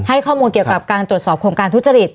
ข้อมูลเกี่ยวกับการตรวจสอบโครงการทุจริต